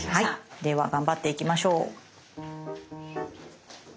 では頑張っていきましょう。